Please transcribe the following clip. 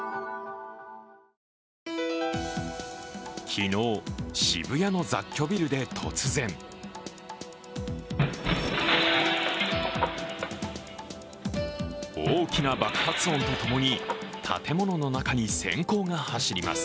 昨日、渋谷の雑居ビルで突然大きな爆発音とともに建物の中にせん光が走ります。